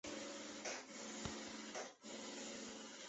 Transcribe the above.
教长区座堂位于维也纳新城。